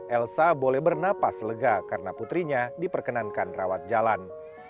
elsa boleh bernapas lega karena putrinya diperkenankan rawat jalan